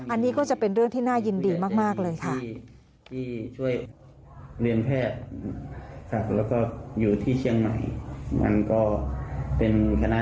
อันนี้ก็จะเป็นเรื่องที่น่ายินดีมากเลยค่ะ